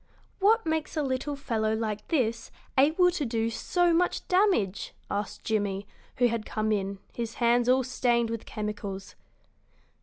"What makes a little fellow like this able to do so much damage?" asked Jimmie, who had come in, his hands all stained with chemicals.